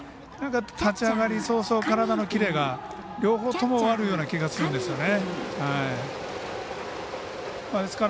立ち上がり早々体のキレが両方とも悪いような気がするんですよね。